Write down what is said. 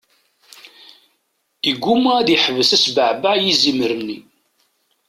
Iguma ad iḥbes asbeɛbeɛ yizimer-nni.